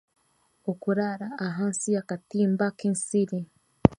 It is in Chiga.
Okuraara ahansi yakatimba k'esiri